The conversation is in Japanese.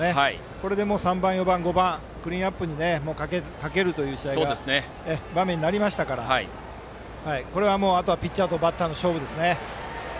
これで３番、４番、５番のクリーンナップにかける場面になりましたからあとはピッチャーとバッターの勝負です。